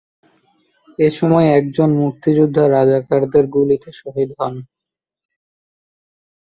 এ সময় একজন মুক্তিযোদ্ধা রাজাকারদের গুলিতে শহীদ হন।